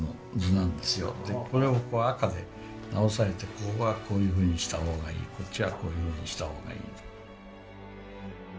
ここはこういうふうにした方がいいこっちはこういうふうにした方がいいと。